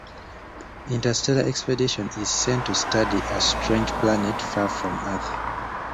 An interstellar expedition is sent to study a strange planet far from Earth.